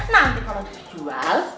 nanti kalau dia jual